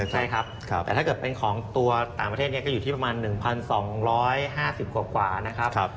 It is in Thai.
ใช่ครับแต่ถ้าเกิดเป็นของตัวต่างประเทศก็อยู่ที่ประมาณ๑๒๕๐กว่านะครับ